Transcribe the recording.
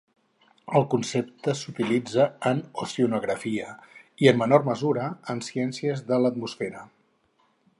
El concepte s'utilitza en oceanografia i, en menor mesura, en ciències de l'atmosfera.